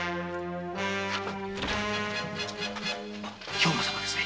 兵馬様ですね。